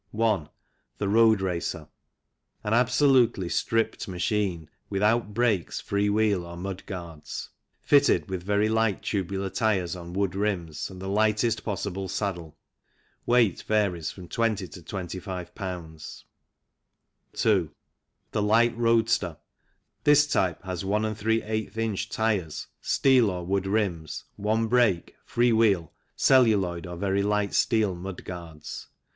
1. The road racer. An absolutely stripped machine, THE WEIGHT QUESTION 83 without brakes, free wheel, or mud guards. Fitted with very light tubular tyres on wood rims and the lightest possible saddle. Weight varies from 20 to 25 Ibs. 2. The light roadster. This type has If in. tyres, steel or wood rims, one brake, free wheel, celluloid or very light steel mudguards.